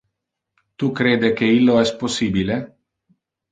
Tu crede que illo es possibile?